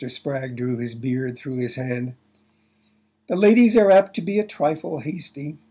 Spragg drew his beard through his hand. "The ladies are apt to be a trifle hasty.